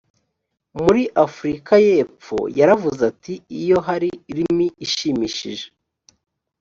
muri afurika y epfo yaravuze ati iyo hari limi inshimishije